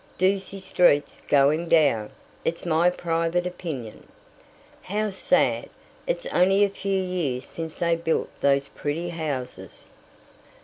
Ducie Street's going down, it's my private opinion." "How sad! It's only a few years since they built those pretty houses."